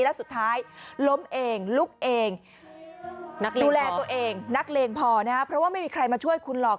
แล้วสุดท้ายล้มเองลุกเองนักเลงดูแลตัวเองนักเลงพอนะครับเพราะว่าไม่มีใครมาช่วยคุณหรอก